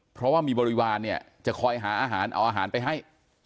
เพราะว่ามีบริวารเนี่ยจะคอยหาอาหารเอาอาหารไปให้